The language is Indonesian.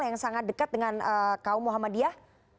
yang sangat dekat dengan kaum muhammadiyah